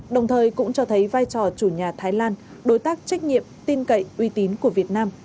đồng thời cũng cho thấy vai trò chủ nhà thái lan đối tác trách nhiệm tin cậy uy tín của việt nam